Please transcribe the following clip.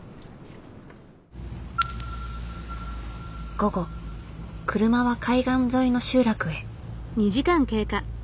午後車は海岸沿いの集落へ。